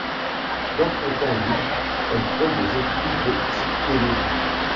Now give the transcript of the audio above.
Dans son temps libre, elle fait des études de psychologie.